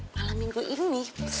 malam minggu ini